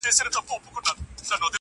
هغه د پېښې حقيقت غواړي ډېر,